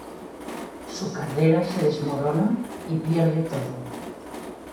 Su carrera se desmorona y pierde todo.